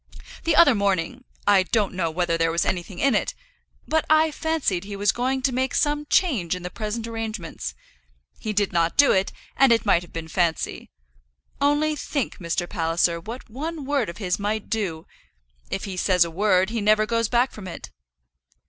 The other morning, I don't know whether there was anything in it, but I fancied he was going to make some change in the present arrangements. He did not do it, and it might have been fancy. Only think, Mr. Palliser, what one word of his might do! If he says a word, he never goes back from it."